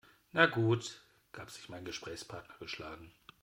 Na gut, gab sich mein Gesprächspartner geschlagen.